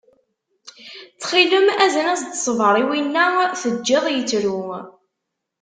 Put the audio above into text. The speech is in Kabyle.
Ttxil-m azen-as-d ṣṣber i winna teǧǧiḍ yettru.